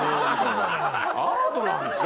アートなんですか？